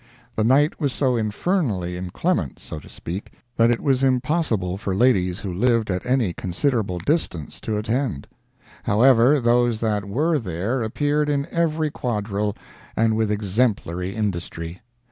The night was so infernally inclement—so to speak—that it was impossible for ladies who lived at any considerable distance to attend. However, those that were there appeared in every quadrille, and with exemplary industry.